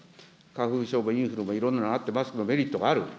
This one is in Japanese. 花粉症もインフルもいろんなのあってマスクのメリットがある。